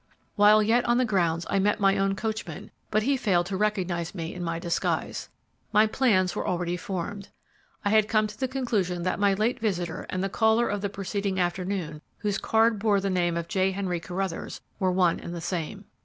While yet on the grounds I met my own coachman, but he failed to recognize me in my disguise. My plans were already formed. I had come to the conclusion that my late visitor and the caller of the preceding afternoon, whose card bore the name of J. Henry Carruthers, were one and the same.